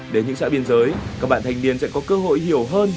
đến những xã biên giới các bạn thanh niên sẽ có cơ hội hiểu hơn